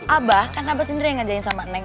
abah kan abah sendiri yang ngajarin sama neng